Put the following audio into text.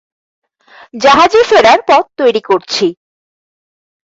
জাহাজে ফেরার পথ তৈরি করছি।